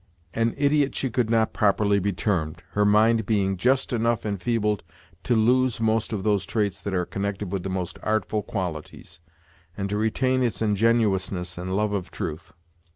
An idiot she could not properly be termed, her mind being just enough enfeebled to lose most of those traits that are connected with the more artful qualities, and to retain its ingenuousness and love of truth.